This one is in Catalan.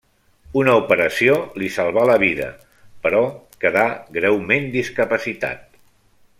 Una operació li salvà la vida, però quedà greument discapacitat.